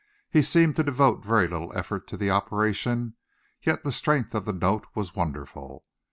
He seemed to devote very little effort to the operation, yet the strength of the note was wonderful.